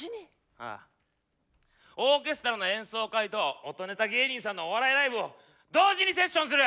オーケストラの演奏会と音ネタ芸人さんのお笑いライブを同時にセッションする！